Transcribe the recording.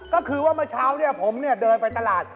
ก็คือว่าเมื่อเช้าเนี่ยผมเดินไปตลาด